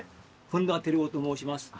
本田照男と申します。